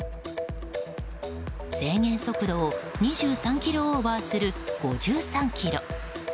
制限速度を２３キロオーバーする５３キロ。